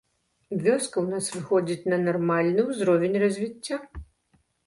Вёска ў нас выходзіць на нармальны ўзровень развіцця.